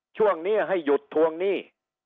ช่วงนี้ให้หยุดทวงหนี้